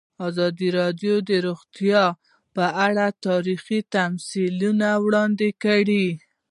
ازادي راډیو د روغتیا په اړه تاریخي تمثیلونه وړاندې کړي.